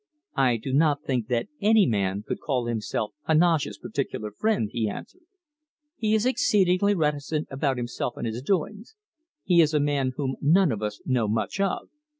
"I do not think that any man could call himself Heneage's particular friend," he answered. "He is exceedingly reticent about himself and his doings. He is a man whom none of us know much of."